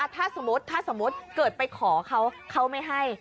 ถ้าสมมติเกิดไปขอเขาเขาไม่ให้